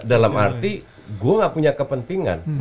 dalam arti gue gak punya kepentingan